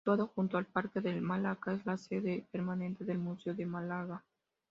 Situado junto al parque de Málaga es la sede permanente del Museo de Málaga.